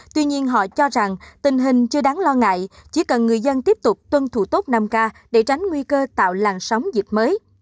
tuy nhiên họ cho rằng tình hình chưa đáng lo ngại chỉ cần người dân tiếp tục tuân thủ tốt năm k để tránh nguy cơ tạo làn sóng dịch mới